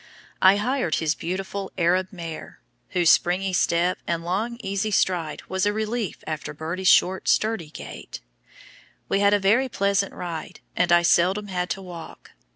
I hired his beautiful Arab mare, whose springy step and long easy stride was a relief after Birdie's short sturdy gait. We had a very pleasant ride, and I seldom had to walk.